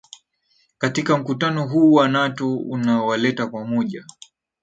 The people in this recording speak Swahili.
katika mkutano huu wa nato unaowaleta pamoja